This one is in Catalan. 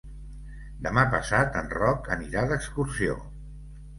Demà passat en Roc anirà d'excursió.